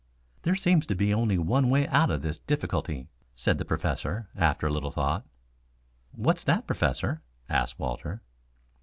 "There seems to be only one way out of the difficulty," said the Professor, after a little thought. "What's that, Professor?" asked Walter.